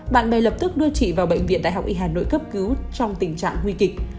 bạn bè lập tức đưa chị vào bệnh viện đại học y hà nội cấp cứu trong tình trạng nguy kịch